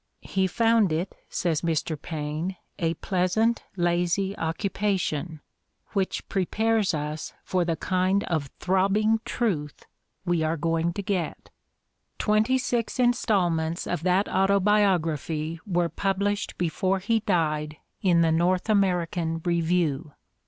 "He found it," says Mr. Paine, "a pleasant, lazy occupation," which prepares us for the kind of throbbing truth we are going to get. Twenty six instalments of that Autobiography were published 254 The Ordeal of Mark Twain before he died in the North American Review.